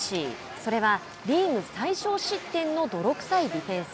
それはリーグ最少失点の泥くさいディフェンス。